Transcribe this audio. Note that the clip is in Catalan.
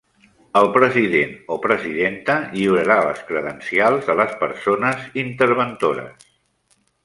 El president o presidenta lliurarà les credencials a les persones interventores.